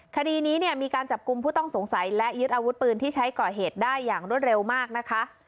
คดีนี้เนี่ยมีการจับกลุ่มผู้ต้องสงสัยและยึดอาวุธปืนที่ใช้ก่อเหตุได้อย่างรวดเร็วมากนะคะ